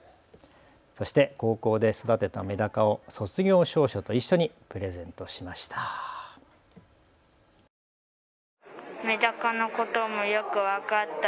そして高校で育てたメダカを卒業証書と一緒にプレゼントしました。